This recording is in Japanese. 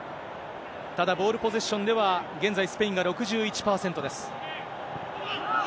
ただ、ボールポゼッションでは、現在、スペインが６１％です。